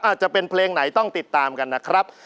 อาจจะเป็นเพลงไหนต้องติดตามกันนะครับ